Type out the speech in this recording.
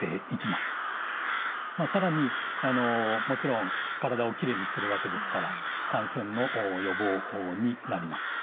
まあ更にもちろん体をきれいにするわけですから感染の予防になります。